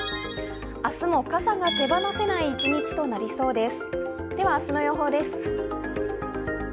明日も傘が手放せない一日となりそうです。